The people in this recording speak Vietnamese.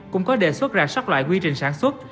cũng có đề xuất ra sắp loại quy trình sản xuất